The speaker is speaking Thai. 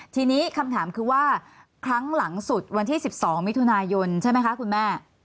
ทีนี้คำถามคือว่าครั้งหลังสุดวันที่๑๒มิถุนายนใช่ไหมคะคุณแม่